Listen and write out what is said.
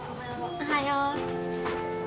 おはよう。